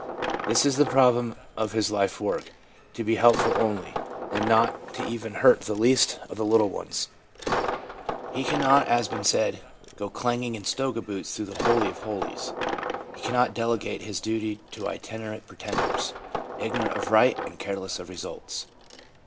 This is the problem of his life work, to be helpful only, and not to hurt even the least of the little ones. He cannot, as has been said, "go clanging in stoga boots through the holy 176 THE PSYCHOLOGY OF RELIGION of holies." He cannot delegate his duty to itinerant pretenders, ignorant of right and careless of results.